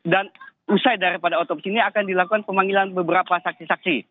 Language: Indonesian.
dan usai daripada otopsi ini akan dilakukan pemanggilan beberapa saksi saksi